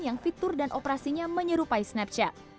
yang fitur dan operasinya menyerupai snapchat